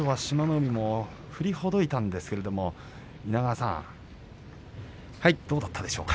海も振りほどいたんですけれど稲川さん、どうだったでしょうか。